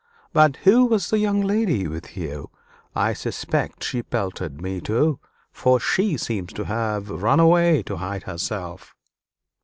But who was the young lady with you? I suspect she pelted me too, for she seems to have run away to hide herself."